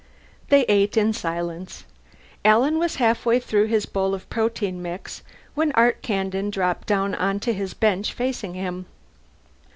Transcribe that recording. They ate in silence. Alan was halfway through his bowl of protein mix when Art Kandin dropped down onto his bench facing him.